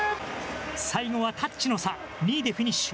最後はタッチの差、２位でフィニッシュ。